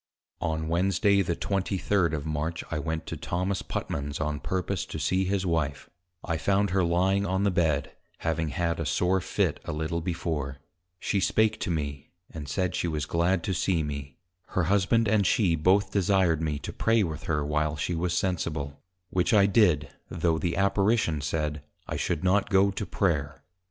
On Wednesday the 23d. of March, I went to Thomas Putman's, on purpose to see his Wife: I found her lying on the Bed, having had a sore Fit a little before; she spake to me, and said, she was glad to see me; her Husband and she both desired me to Pray with her while she was sensible; which I did, though the Apparition said, _I should not go to Prayer.